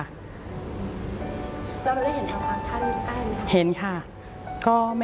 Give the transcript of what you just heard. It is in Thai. แล้วรู้ได้เห็นความทันใกล้ไหมคะ